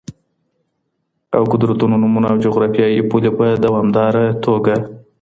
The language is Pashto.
او قدرتونو نومونه او جغرافیایي پولي په دوامداره توګه